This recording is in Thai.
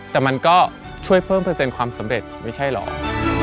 แต่มันก็ช่วยเพิ่มเปอร์เซ็นต์ความสำเร็จไม่ใช่หรอก